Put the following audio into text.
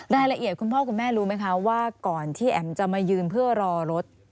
คุณพ่อคุณแม่รู้ไหมคะว่าก่อนที่แอ๋มจะมายืนเพื่อรอรถ